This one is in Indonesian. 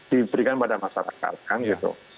diberikan pada masyarakat kan gitu